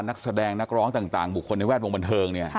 นักแสดงนักร้องต่างบุคคลในแวดวงบันเทิงเนี่ย